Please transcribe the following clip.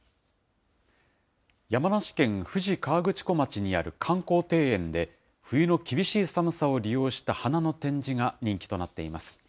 山梨県富士河口湖町にある観光庭園で、冬の厳しい寒さを利用した花の展示が人気となっています。